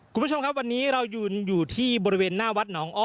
คุณผู้ชมครับวันนี้เรายืนอยู่ที่บริเวณหน้าวัดหนองอ้อ